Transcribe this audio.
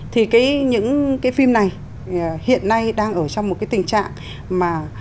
thì những cái phim này hiện nay đang ở trong một cái tình trạng mà